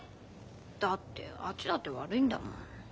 だってあっちだって悪いんだもん。